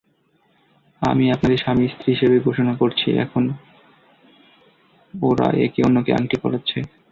আমি আপনাদের স্বামী-স্ত্রী হিসাবে ঘোষণা করছি এখন ওরা একে অন্যকে আংটি পরাচ্ছে।